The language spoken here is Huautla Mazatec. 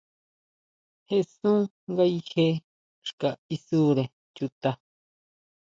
Jesún ngayije xka isure chuta.